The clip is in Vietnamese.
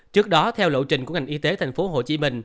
trước đó theo lộ trình của ngành y tế tp hcm